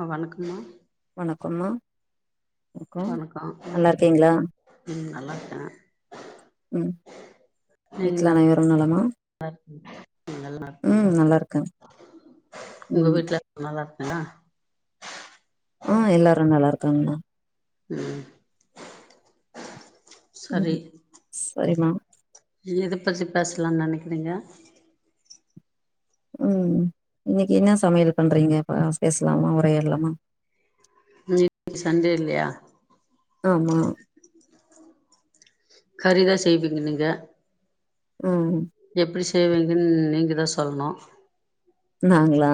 ஆ வணக்கம்மா வணக்கம்மா வணக்கம் வணக்கோ ம் நல்லா இருக்கீங்களா ம் நல்லா இருக்கே ம் வீட்ல அனைவரும் நலமா நல்ல இரு எல்லா நல்லா ம் இருக்காங்க நல்லா இருக்காங்க உங்க ம் வீட்ல நல்லா இருக்கிங்களா ஆ எல்லாரு நல்லா இருக்காங்கண்ணா ம் சரி சரி மா எத பத்தி பேச்லா நெனக்கிறிங்க ம் இன்னைக்கு என்ன சமயல் பண்றிங்க பா பேச்லாமா உரையாட்லாமா இன்னைக்கு சண்டே இல்லயா ஆமா கறிதா செய்வீங்க நீங்க ம் எப்டி செய்வீங்கன்னு நீங்க தா சொல்லணு நாங்ளா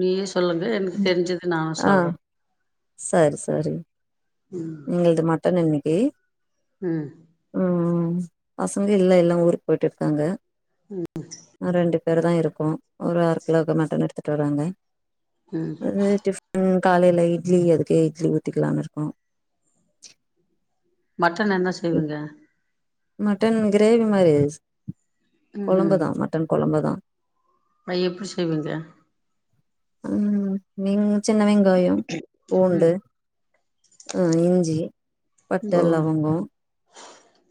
நீயே சொல்லுங்க எனக்கு தெரிஞ்சது நா ஆ சொல்றே சரி சரி எங்கள்து மட்டன் இன்னைக்கி ம் ம் பசங்க இல்ல எல்லா ஊருக்கு போயிட்டு இருக்காங்க அ ரெண்டு பேரு தா இருக்கோ ஒரு அர கிலோக்கு மட்டன் எடுத்துட்டு வருவாங்க ம் அ டிஃபன் காலையில இட்லி அதுக்கே இட்லி ஊத்திக்கலானு இருக்கோ மட்டன் என்ன செய்விங்க மட்டன் கிரேவி மாரி ம் கொழம்புதா மட்டன் கொழம்புதா அ எப்டி செய்விங்க ம் நி மு சின்ன வெங்காய பூண்டு ம் ஆ இஞ்சி பட்ட ஓ லவங்கொ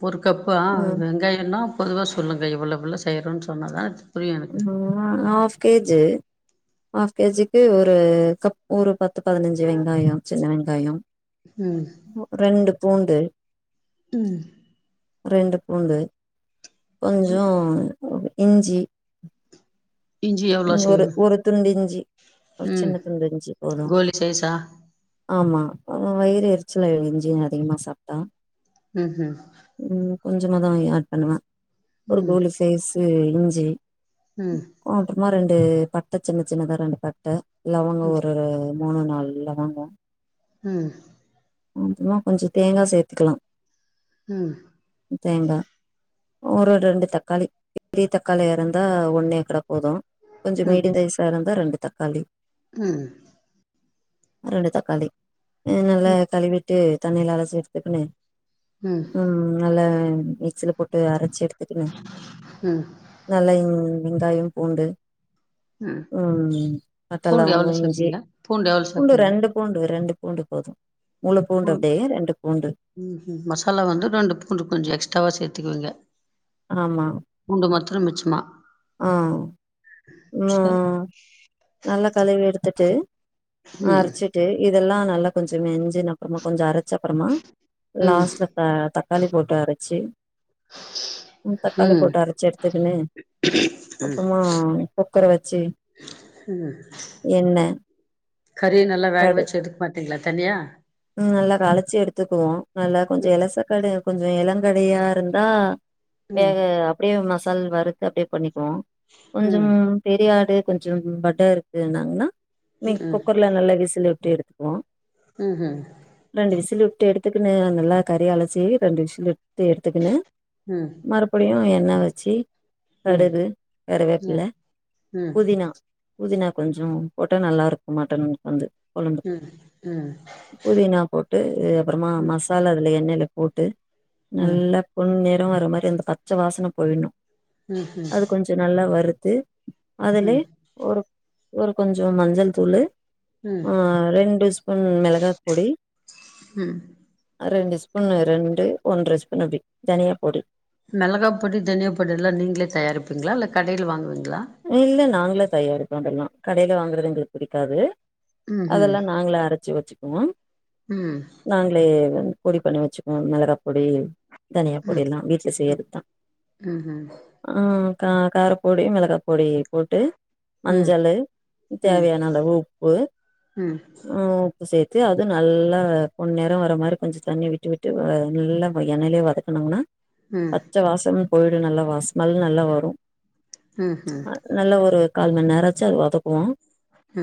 ஒரு கப்பா அது வெங்காயொனா பொதுவா சொல்லுங்க இவ்வளோ இவ்வளோ செய்றோன்னு சொன்னா தா புரியு எனக்கு [unintelligible] ஹாஃப் கேஜ்ஜு ஹாஃப் கேஜிக்கு ஒரு கப் ஒரு பத்து பதினஞ்சு வெங்காய சின்ன வெங்காயோ ஹ்ம் ரெண்டு பூண்டு ம் ரெண்டு பூண்டு கொஞ்சோ இஞ்சி இஞ்சி எவ்வளோ செய்வ ஒரு ஒரு துண்டு இஞ்சி ஒரு சின்ன ம் துண்டு இஞ்சி போது கோலி சைஸா ஆமா அவ வயிறு எரிச்சல இஞ்சி அதிகமா சாப்ட்டா ம் ஹ்ம் ம் கொஞ்சமா தா ஆட் பண்ணுவே ஒரு ம் கோலி சைஸு இஞ்சி ம் அப்புறமா ரெண்டு பட்ட சின்ன சின்னதா ரெண்டு பட்ட லவங்க ஒரு மூணு நாலு லவங்க ம் அப்றமா கொஞ்ச தேங்கா சேத்துக்கலா ம் தேங்கா ஒரு ரெண்டு தக்காளி பெரிய தக்காளியா இருந்தா ஒன்னேக்கூட போது கொஞ்சோ ம் மீடிய தைசா இருந்தா ரெண்டு தக்காளி ம் ரெண்டு தக்காளி அ நல்லா கழுவி ட்டு தண்ணில அலசி எடுத்துக்குன்னு ம் ம் நல்ல மிக்ஸீல போட்டு அரைச்சி எடுத்துக்குனு ம் நல்லா வெங்காயோ பூண்டு ம் பட்ட பூண்டு லவங்கோ எவ்வளோ இஞ்சி சேப்பீங்க எவ்வளோ பூண்டு சேப்பீங்க ரெண்டு பூண்டு ரெண்டு பூண்டு போது முளு பூண்டு அப்டே ரெண்டு பூண்டு ம்ம் மசாலா வந்து ரெண்டு பூண்டு கொஞ்சோ எக்ஸ்ட்ராவா சேத்துக்குவீங்க ஆமா பூண்டு மத்தரு மிச்சமா ம் சரி ம் நல்ல கழுவி எடுத்துட்டு ம் அரைச்சு ட்டு இதெல்லா நல்லா கொஞ்சோ மெஞ்சின அப்பறமா கொஞ்ச அரைச்ச அப்பறமா ம் லாஸ்ட்ல அ தக்காளி போட்டு அரைச்சி உ தக்காளி ம் போட்டு அரைச்சு எடுத்துக்குன்னு அப்புறமா குக்கர வச்சு எண்ண கறிய நல்லா வேக வச்சு எடுக்க மாட்டீங்களா தனியா ம் நல்லா களச்சி எடுத்துக்குவோ நல்லா கொஞ்ச ம் இலசக்கட கொஞ்சோ இளங்கடையா இருந்தா ம் வேக அப்டியே மசால் வருத்து அப்டியே பண்ணிக்குவோ ம் பெரியாடு கொஞ்சோ பட்டா இருக்குன்னாங்கன்னா மே குக்கர்ல நல்லா விசில் வுட்டு எடுத்துக்குவோ ம்ஹும் ரெண்டு விசில் உட்டு எடுத்துக்குனு அ நல்லா கறி அலசி ரெண்டு விசில் உட்டு எடுத்துக்குனு ம் மறுபடியு எண்ணெ வச்சு கடுகு கருவேப் பல புதினா புதினா கொஞ்சோ போட்டா நல்லா இருக்கு மட்டன் வந்து குழம்பு புதினா போட்டு அப்புறமா மசா லால அதுல எண்ணெய்ல போட்டு நல்லா பொண்நிரோ‌ வர மாரி அந்த பச்ச வாசன போய்டணு அது கொஞ்சோ நல்லா வருத்து அதுலே ஒரு ஒரு கொஞ்சோ மஞ்சள் தூள்ளு ஆ ரெண்டு ஸ்பூன் மெளகாய்ப் பொடி ம் ரெண்டு ஸ்பூன் ரெண்டு ஒன்ற ஸ்பூன் அப்டி தனியா பொடி மெளகா பொடி தனியா பொடி எல்லா நீங்களே தயாரிப்பீங்களா இல்ல கடையில வாங்குவீங்களா இல்ல நாங்களே தயாரிப்போ அதெல்லா கடையில வாங்குறது எங்களுக்கு புடிக்காது ம்ஹும் அதெல்லா நாங்கள அரைச்சு வச்சுக்குவோ ம் நாங்களே வ பொடி பண்ணி வச்சுக்கோ மிளகாப் பொடி தனியா பொடி ம் எல்லா வீட்ல செய்றதா ம்ஹும் ஆ கா காரப்பொடி மெளகா பொடி போட்டு ம் மஞ்சள்ளு ம் தேவையான அலவு உப்பு ம் சேத்து அது நல்லா பொண்நெரோ வர மாரி கொஞ்சோ தண்ணி விட்டு விட்டு வ நல்ல வ எண்ணைய்லே வத கனம்னா ம் பச்ச வாசமு போய்டு நல்லா வாஸ் ஸ்மெல் நல்லா வரு ம்ஹும் நல்ல ஒரு கால் மண் நேராச்சு அது வதக்குவோ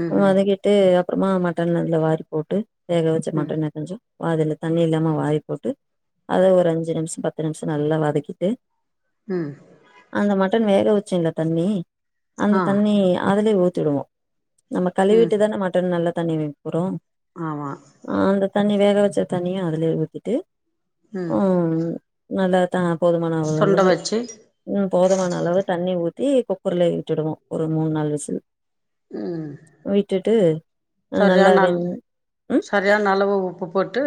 ம்ஹும் வதக்கி ட்டு அப்பறமா மட்டன் அதுல வாரி போட்டு வேக வச்ச ம் மட்டன கொஞ்சோ அதுல தண்ணி இல்லாம வாய் போட்டு அத ஒரு அஞ்சு நிமிஷோ பத்து நிமிஷோ நல்லா வதக்கிட்டு ம் அந்த மட்டன் வேக வச்சுல தண்ணி ஆ அந்த தண்ணி அதுலயே ஊத்திடுவோ நம்ம ம் கழுவிட்டு தான மட்டம் நல்ல தண்ணி வைப்புறோ ஆமா ஆ அந்த தண்ணி வேக வச்ச தண்ணியு அதலயே ஊத்திட்டு ம் அ நல்ல த போதுமான அவளவுல இந்த சுண்ட பாரு வச்சு ம் போதுமான அளவுல தண்ணி ஊத்தி குக்கர்ல இட்டுடுவோ ஒரு மூன் நாள் விசில் ம் விட்டுட்டு நல்லா சரியான அள வெந் ம் சரியான அளவு உப்பு போட்டு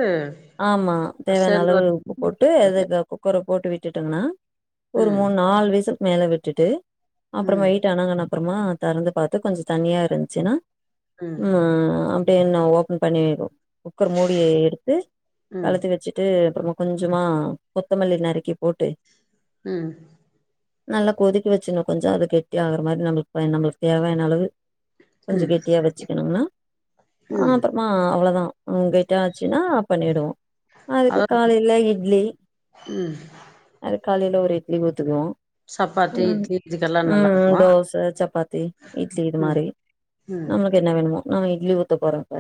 ஆமா தேவையான சேந்து அளவு வரு உப்பு போட்டு அதுக்கு குக்கர போட்டு விட்டுட்டம்ன்னா ஒரு ம் மூணு நாலு வீசிலுக்கு மேல விட்டுட்டு அப்புறமா ம் வெய்ட்டு் அனங்குன அப்றமா தெறந்து பாத்து கொஞ்சோ தண்னியா இருந்துச்சின்னா ம் ம அப்டி என்ன ஓப்பன் பண்ணி வை குக்கர் மூடிய எடுத்து ம் களத்து வச்சுட்டு அப்புறமா கொஞ்சமா கொத்தமல்லி நறுக்கி போட்டு ம் நல்லா கொதிக்க வச்சுன்னு கொஞ்சோ அது கெட்டி ஆகுற மாரி நம்மளுக்கு நம்மளுக்கு தேவையான அளவு கொஞ்சோ கெட்டியா வச்சுக்கணுனா ஆ ம் [unintelligible] ஆ அவ்வளோதா உங்கட்ட ஆச்சுனா பண்ணிடுவோ அதுக்கு அதாவது காலையில இட்லி ம் அது காலையில ஒரு இட்லி ஊத்துவோ சப்பாத்தி இட்லி இதுக்கெல்லா நல்லா ம் ம் இருக்குமா தோச சப்பாத்தி இட்லி இது ம் மாரி ம் நம்மளுக்கு என்ன வேணுமோ நம்ம இட்லி ஊத்த போற இப்ப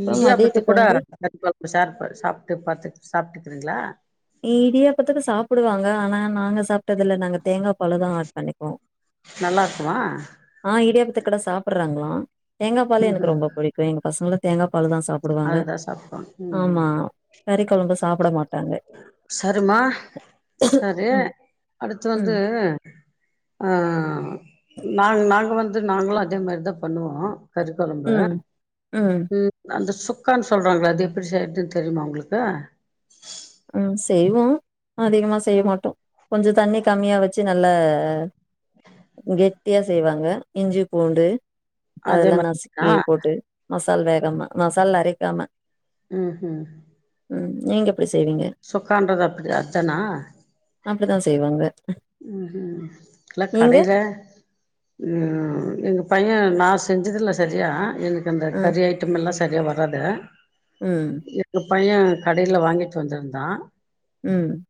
அப்புறம் இடியாப்பத்துக்கு மதியத்துக்கு கூட வந்து [inaudible] கப்ப சார் பண்ணி சாப்பிட்டு பாத்து [inaudible] சாப்பிட்டுக்கறீங்களா இடியாப்பத்துக்கு சாப்பிடுவாங்க ஆனா நாங்க சாப்ட்டது இல்ல நாங்க தேங்கா பாலு தா ஆட் பன்னிக்குவோ நல்லா இருக்குமா ஆ இடியாபத்து குட சாப்பிடுறாங்களா தேங்கா பாலு ம் எனக்கு ம் ரொம்ப புடிக்கு எங்க பசங்களு தேங்கா பாலு தா சாப் பிடுவாங்க அதுதா சாப்டுவாங்க ம் ம் ஆமா கறி கொழம்பு சாப்பிட மாட்டாங்க சரிமா சரி ம், அடுத்து வந்து ம், ஆ நாங் நாங்க வந்து நாங்களு அதே மாரிதா பண்ணுவோ கறி கொழம்ப ம், ம் அந்த சுக்கான் சொல்றாங்கள அது எப்படி செய்றதுன் தெரியுமா உங்களுக்கு ம் செய்வோ அதிகமா செய்ய மாட்டோ கொஞ்சோ தண்ணி கம்மியா வச்சு நல்ல கெட்டியா செய்வாங்க இஞ்சி பூண்டு அதே அதெல்லா மாரியா நசுக்கி போட்டு மசால் வேகாமா மசால் அரைக்காம ம் ம் ம் நீங்க எப்டி செய்வீங்க சுக்கான்றது அப்டி அத்தானா அப்டித்தா செய்வாங்க ம்ம் எல்லா நீங்க? கடைல ம் எங்க பைய நா செஞ்சதுல்ல சரியா எனக்கு அந்த அ. கறிய ஐட்டமுல்லா சரியா வராது ம் எங்க பைய கடைல வாங்கிட்டு வந்துருந்தா ம்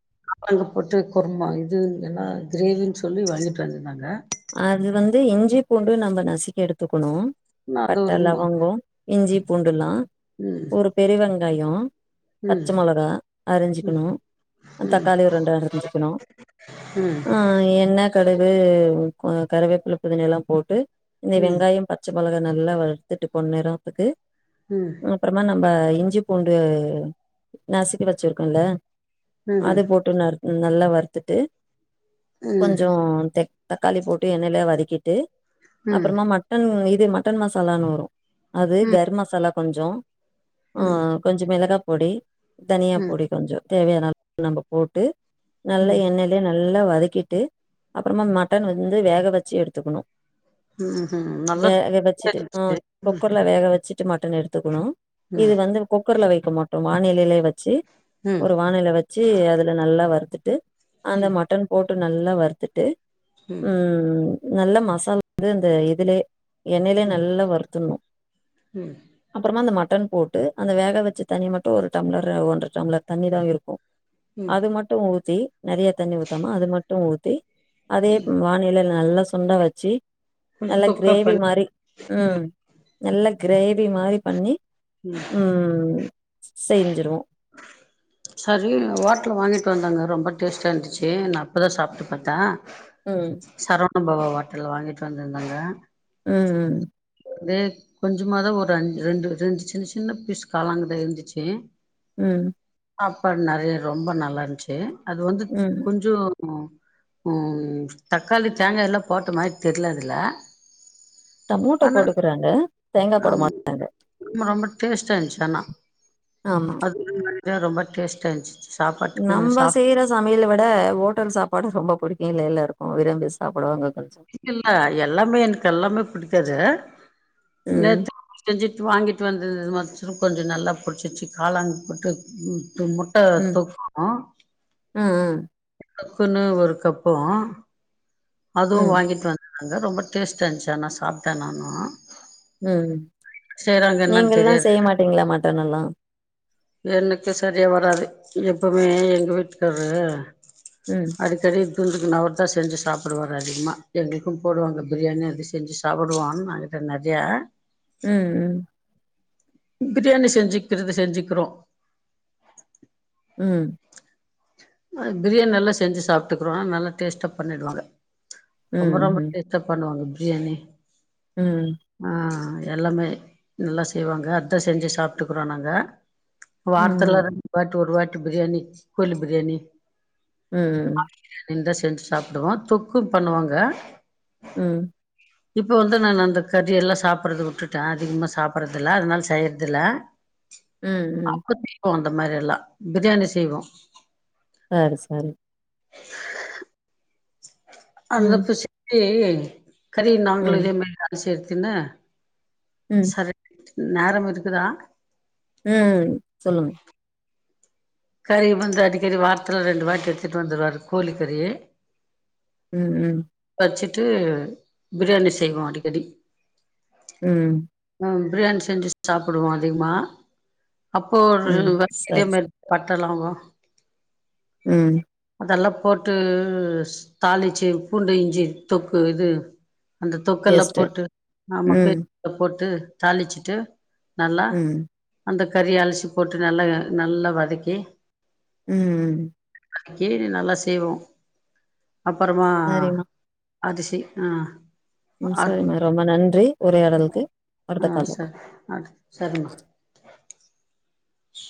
அங்க போட்டு குருமா இது என்னா கிரேவின் சொல்லி வாங்கிட்டு வந்துருந்தாங்க அது வந்து இஞ்சி பூண்டு நம்ம நசிக்கி எடுத்துக்குணு நா அது பட்ட ஒரு மா லவங்கோ இஞ்சி பூண்டுலா ம் ஒரு பெரு வெங்காயொ பச்ச ம் மொளகா அரிஞ்சிக்குணு தக்காளி ஒரு ரெண்டு அரிஞ்சிக்குணு ம் ஆ எண்ணெ கடுகு கருவேப்பில புதினா எல்லா போட்டு இந்த ம் வெங்காயம் ப பச்ச மொளகா நல்லா வறுத்துட்டு பொன்னரத்துக்கு ம் அப்பறமா நம்ப இஞ்சி பூண்டு நசிக்கி வச்சிருக்கல்ல ம் அது ம் போட்டு ந நல்லா வறுத்துட்டு ம் கொஞ்சொ தக்காளி போட்டு எண்ணனையிலே வதக்கிட்டு ம் அப்புறமா மட்டன் இது மட்டன் மசாலான்னு வரு அது கர்ம் மசாலா கொஞ்சொ ஆ ம் ம் கொஞ்சொ மெளகா பொடி தனியா பொடி ம் கொஞ்சொ தேவையான அளவு நம்ப போட்டு நல்ல ம் எண்ணெய து நல்லா வதக்கிட்டு அப்பறமா மட்டன் வந்து வேக வச்சு எடுத்துக்குணு ம் ம் நல்லா வேக வச்சுட்டு ஆ இருந்துச்சு குக்கர்ல வேக வச்சுட் சி மட்டன் எடுத்துக்குணு இது ம் வந்து குக்கர்ல வைக்க மாட்டோ வானலிலயே வச்சு ம் ஒரு வானலில வச்சு அதுல நல்லா வறுத்துட்டு அந்த ம் மட்டன் போட்டு நல்லா வறுத்துட்டு ம் நல்ல மசாலா வந்து அந்த இதுலே எண்ணெயிலே நல்லா வருத்துணு ம் அப்பறமா அந்த மட்டன் போட்டு அந்த வேக வச்ச தண்ணி மட்டு ஒரு டம்ளர் ஒன்ற டம்ளர் தண்ணி தா இருக் கு ம் அது மட்டு ஊத்தி நறைய தண்ணி ஊத்தாம அது மட்டு ஊத்தி ம் வானிலில நல்லா சுண்ட வச்சி கொஞ்சோ நல்லா தொக்கா கிரேவி பண்ணி மாரி ம் நல்ல கிரேவி மாரி பண்ணி ம் செஞ்சிருவோ சரி ஓட்டல வாங்கிட்டு வந்தாங்க ரொம்ப டேஸ்ட்டா இருந்துச்சு நா அப்பதா சாப்ட்டு பாத்த ம் சரவண பவா ஹோட்டல்ல வாங்கிட்டு வந்திருந்தாங்க ம் ம் தே கொஞ்சமாதா ஒரு அஞ் ரெண்டு இருந் சின்ன சின்ன பீஸ் காளான்தா இருந்துச்சி ம் சாப்பாடு நெறைய ரொம்ப நல்லாருந்ச்சு அது வந்து ம் கொஞ்சொ ம் தக்காளி தேங்காயெல்லா போட்ட மாரி தெர்ல அதுல டமோட்டோ ஆனா போடுக்குறாங்க தேங்கா போட மாட்டாங்க ரொம்ப ரொம்ப டேஸ்டாயிருந்ச்சு ஆனா ஆமா [inaudible] ரொம்ப டேஸ்டாருந்துச்சு நம்ப செய்ற சமையல விட ஓட்டல் சாப்பாடு ரொம்ப புடிக்கு இல்ல எல்லாருக்கு விரும்பி சாப்டுவாங்க கொஞ்சொ இல்ல எல்லாமே எனக்கு எல்லாமே புடிக்காது ம் நேத்து செஞ்சிட்டு வாங்கிட்டு வந்தது மஷ்ரூம் கொஞ்ச நல்லா புடிச்சிடுச்சு காளான் போட்டு [unintelligible] ட்டா தொக்கூ ம் ம் க்குன்னு ஒரு கப்பு அதுவு ம் வாங்கிட்டு வந் அங்க ரொம்ப டேஸ்ட்டாந்ச்சு ஆனா சாப்ட்டே நானூ ம் நீங்கல்லா தெரியாது. செய்யமாட்டீங்ளி மட்டன் எல்லா எனக்கு சரியா வராது எப்புமே எங்க வீட்டுக்கார்ரு ம் அது தெரிய துண்டுக்குன் அவுர்தா செஞ்சு சாப்புடுவாரு அதிகமா எங்குளுக்கு போடுவாங்க பிரியாணி அத செஞ்சு சாப்புடுவோ [unintelligible] ட்ட நறியா ம் ம். பிரியாணி செஞ்சிக்றத செஞ்சிக்றோ. ம். அ பிரியாண் நல்லா செஞ்சு சாப்டுக்குறோ நல்லா டேஸ்ட்டா பண்ணிடுவாங்க. ம், ரொம்ப ரொம்ப ம், டேஸ்ட்டா பண்ணுவாங்க பிரியாணி. ம். அ எல்லாமே நல்லா செய்வாங்க அத்தா செஞ்சு சாப்ட்டுக்குறோ நாங்க. வார்த்துல ம், ரெண்டு வாட் ஒரு வாட்டி பிரியாணி கோழி பிரியாணி. ம் ம். இந்தா செஞ்சு சாப்புடுவோ தொக்கு பண்ணுவாங்க. ம். இப்ப வந்து நானு அந்த கறியெல்லா சாப்பட்றது உட்டுட்டே அதிகமா சாப்பட்றதில்ல அதனால செய்யறதில்ல. ம் ம். கு அந்த மாரி எல்லா பிரியாணி செய்வோ. சாரி சரி. அந்த ம், அப்ப [inaudible] கறிய நாங்குளு ம், இதே மாரி [unintelligible] தின்னு ம், சரி நேரம் இருக்குதா? ம் சொல்லுங்க. கறிய வந்து அடிக்கடி வாரத்துல ரெண்டு வாட்டி எடுத்துட்டு வந்துருவாரு கோழி கறி. ம் ம். வச்சுட்டு பிரியாணி செய்வோ அடிக்கடி. ம். ம் பிரியாணி செஞ்சு சாப்புடுவோ அதிகமா அப்போ ம். ஒரு வ இதே சரி, மாரி சரி. பட்ட லவங்கோ ம். அதல்லா போட்டு ஸ் தாளிச்சி பூண்டு இஞ்சி தொக்கு இது அந்த தொக்கல்ல கெஸ்ட்டு. போட்டு ஆமா ம், [unintelligible] போட்டு தாளிச்சுட்டு நல்லா ம், அந்த கறிய அலசி போட்டு நல்லா எ நல்லா வதக்கி ம் ம். [inaudible] நல்லா செய்வோ அப்பறமா சரிம்மா. அது செய் அ ம் சரிம்மா ரொம்ப நன்றி உரையாடல்க்கு அடுத்த கால்ல பா சரிமா. உ